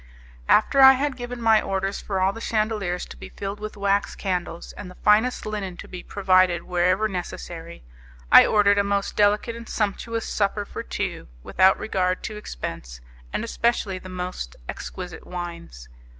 After I had given my orders for all the chandeliers to be filled with wax candles, and the finest linen to be provided wherever necessary, I ordered a most delicate and sumptuous supper for two, without regard to expense, and especially the most exquisite wines.